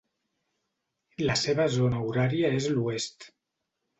La seva zona horària és l'Oest.